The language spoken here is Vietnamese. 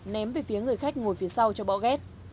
ném về phía người khách ngồi phía sau cho bỏ ghét